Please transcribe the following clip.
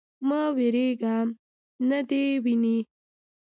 _مه وېرېږه. نه دې ويني.